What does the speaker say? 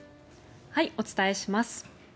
お伝えします。